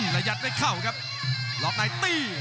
แล้วยัดไปเข้าครับรอบในตี